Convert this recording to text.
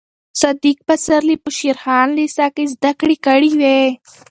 صدیق پسرلي په شېر خان لېسه کې زده کړې کړې وې.